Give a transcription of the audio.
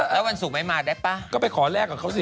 แล้ววันสุขไม่ได้ค่าดูไปขอแรกกับเขาสิ